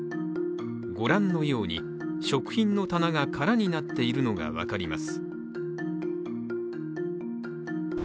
ご覧のように食品の棚が空になっているのが分かります。